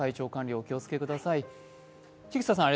お気をつけください。